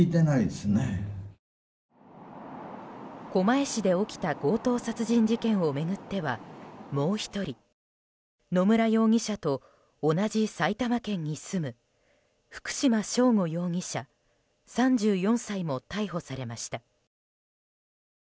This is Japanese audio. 狛江市で起きた強盗殺人事件を巡ってはもう１人野村容疑者と同じ埼玉県に住む福島聖悟容疑者、３４歳も逮捕されました。